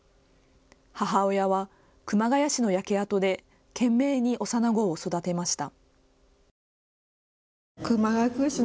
母親は熊谷市の焼け跡で懸命に幼子を育てました。